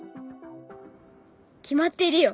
決まっているよ。